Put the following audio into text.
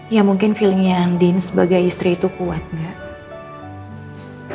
ya mungkin feelingnya andin sebagai istri itu kuat gak